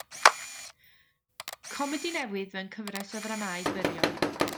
Comedi newydd mewn cyfres o ddramâu byrion.